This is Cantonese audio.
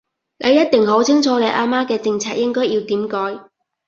你一定好清楚你阿媽嘅政策應該要點改